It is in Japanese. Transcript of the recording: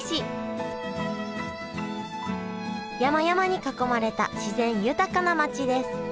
山々に囲まれた自然豊かな町です